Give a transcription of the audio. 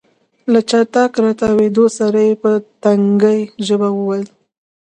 له چټک راتاوېدو سره يې په ټکنۍ ژبه وويل.